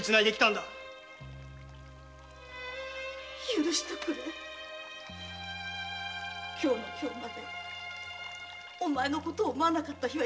許しとくれ今日の今日までお前のことを思わない日は一日もなかった。